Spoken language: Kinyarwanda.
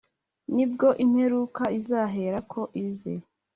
nibwo imperuka izaherako ize